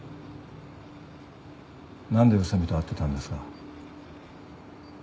何で宇佐美と会ってたんですか？